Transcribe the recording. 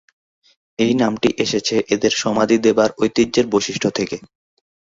এই নামটি এসেছে এদের সমাধি দেবার ঐতিহ্যের বৈশিষ্ট্য থেকে।